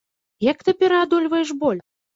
Як ты пераадольваеш боль?